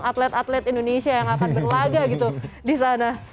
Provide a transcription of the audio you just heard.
atlet atlet indonesia yang akan berlaga gitu di sana